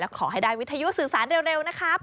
ขอให้ได้วิทยุสื่อสารเร็วนะครับ